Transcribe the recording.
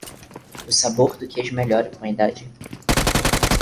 O sabor do queijo melhora com a idade.